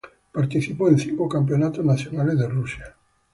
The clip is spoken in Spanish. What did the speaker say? Participó en cinco Campeonatos Nacionales de Rusia.